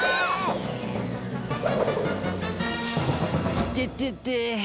いててて。